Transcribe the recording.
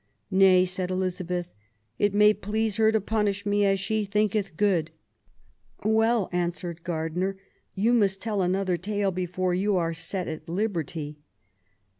Nay," said Elizabeth, " it may please her to punish me as she thinketh good.'' Well," answered Gardiner, you must tell another tale before you are set at liberty."